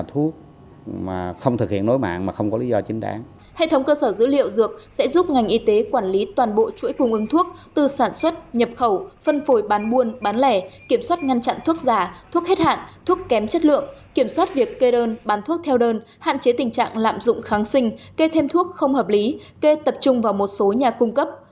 hệ thống cơ sở dữ liệu dược sẽ giúp ngành y tế quản lý toàn bộ chuỗi cung ứng thuốc từ sản xuất nhập khẩu phân phối bán muôn bán lẻ kiểm soát ngăn chặn thuốc giả thuốc hết hạn thuốc kém chất lượng kiểm soát việc kê đơn bán thuốc theo đơn hạn chế tình trạng lạm dụng kháng sinh kê thêm thuốc không hợp lý kê tập trung vào một số nhà cung cấp